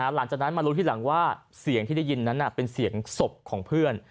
หลังจากนั้นมารู้ทีหลังว่าเสียงที่ได้ยินนั้นเป็นเสียงศพของเพื่อน